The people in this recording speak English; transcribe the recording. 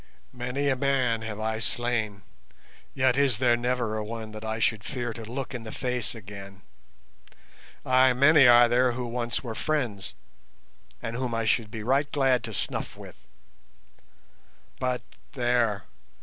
Many a man have I slain, yet is there never a one that I should fear to look in the face again, ay, many are there who once were friends, and whom I should be right glad to snuff with. But there!